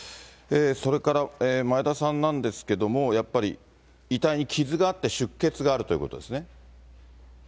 それから前田さんなんですけども、やっぱり遺体に傷があって出血があるということですね。